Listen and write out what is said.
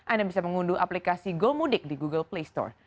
anda bisa mengunduh aplikasi gomudik di google play store